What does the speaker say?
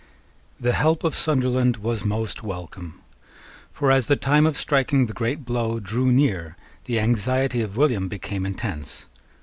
The help of Sunderland was most welcome. For, as the time of striking the great blow drew near, the anxiety of William became intense.